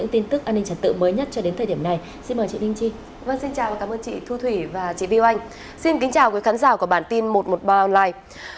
xin chào quý khán giả của bản tin một trăm một mươi ba online